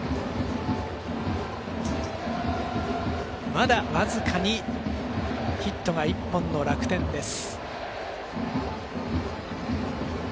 まだ、僅かにヒットが１本の楽天です。